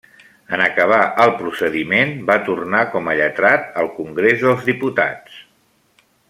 En acabar el procediment, va tornar com a lletrat al Congrés dels Diputats.